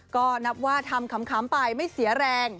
ก็นับว่าทำขำไปไม่เสียแรง